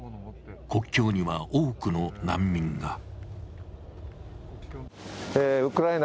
国境には多くの難民が。